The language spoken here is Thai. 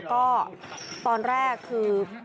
ก็ตอนแรกคือ